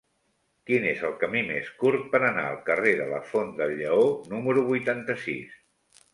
Quin és el camí més curt per anar al carrer de la Font del Lleó número vuitanta-sis?